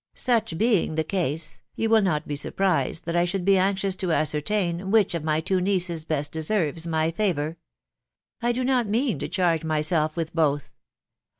Such being the case, you will not be surprised that I should be anxious to ascertain which of my two nieces best deserves my favour. I do not mean to charge myself with both.